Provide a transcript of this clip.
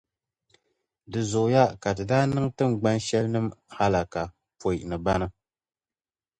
Di zooiya ka Ti daa niŋ tiŋgbani shɛli nim’ hallaka pɔi ni bana